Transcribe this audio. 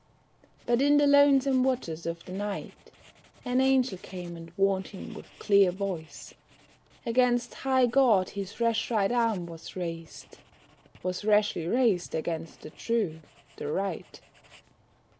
But in the lonesome watches of the night, An angel came and warned him with clear voice, Against high God his rash right arm was raised, Was rashly raised against the true, the right.